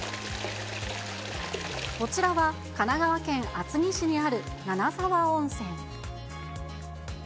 こちらは、神奈川県厚木市にある七沢温泉。